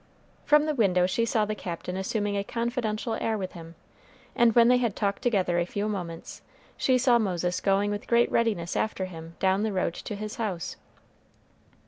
From the window she saw the Captain assuming a confidential air with him; and when they had talked together a few moments, she saw Moses going with great readiness after him down the road to his house.